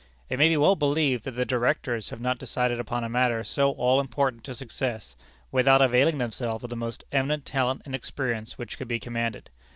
It may be well believed that the Directors have not decided upon a matter so all important to success, without availing themselves of the most eminent talent and experience which could be commanded.